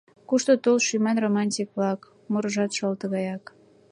Кушто тул шӱман романтик-влак — Мурыжат шол тугаяк.